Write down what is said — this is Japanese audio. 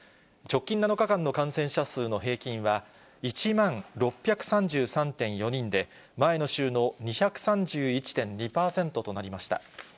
直近７日間の感染者数の平均は、１万６３３．４人で、前の週の２３１．２％となりました。